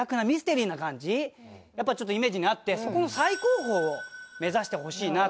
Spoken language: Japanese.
やっぱりちょっとイメージに合ってそこの。を目指してほしいなと。